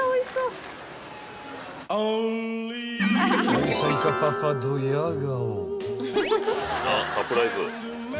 ［愛妻家パパどや顔］